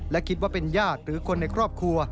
และคิดว่าเป็นญาติหรือคนในครอบครัว